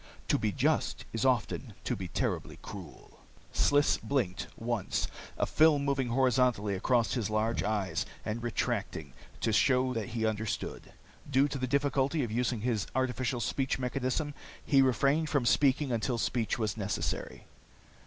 To be just is often to be terribly cruel." Sliss blinked, once, a film moving horizontally across his large eyes and retracting, to show that he understood. Due to the difficulty of using his artificial speech mechanism, he refrained from speaking until speech was necessary.